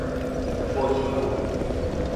بجنورد